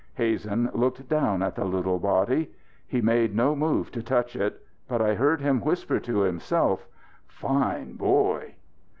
Hazen looked down at the little body. He made no move to touch it, but I heard him whisper to himself: "Fine boy."